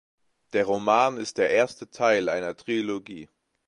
Der Roman ist der erste Teil einer Trilogie.